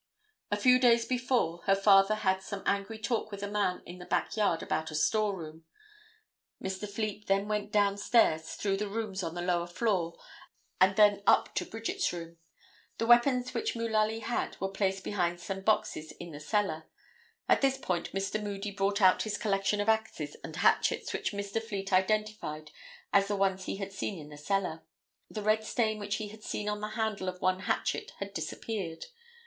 A few days before, her father had some angry talk with a man in the back yard about a storeroom. Mr. Fleet then went down stairs through the rooms on the lower floor and then up to Bridget's room. The weapons which Mullaly had were placed behind some boxes in the cellar. At this point Mr. Moody brought out his collection of axes and hatchets which Mr. Fleet identified as the ones he had seen in the cellar. The red stain which he had seen on the handle of one hatchet had disappeared.